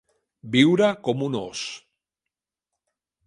Viure com un ós.